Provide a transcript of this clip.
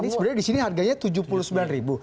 sebenarnya di sini harganya rp tujuh puluh sembilan